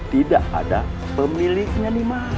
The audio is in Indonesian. tidak ada pemiliknya nih mas